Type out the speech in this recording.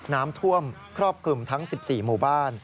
น้ำท่วมครอบคลุมทั้ง๑๔หมู่บ้าน